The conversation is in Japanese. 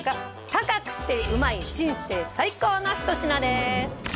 高くてうまい人生最高の一品です